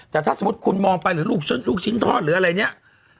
แต่ถ้าสมมุติคุณมองไปหรือลูกชิ้นทอดหรืออะไรเนี่ย